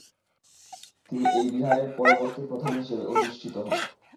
তিনি এই বিহারের পরবর্তী প্রধান হিসেবে অধিষ্ঠিত হন।